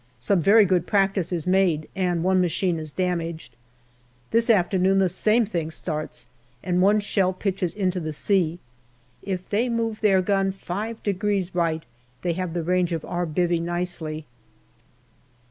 Some very good practice is made and one machine is damaged. This afternoon the same thing starts, and one shell pitches into the sea. If they move their gun five degrees right, they have the range of our " bivvy " nicely.